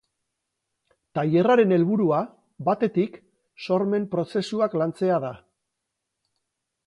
Tailerraren helburua, batetik, sormen prozesuak lantzea da.